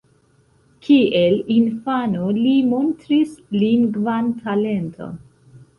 Kiel infano li montris lingvan talenton.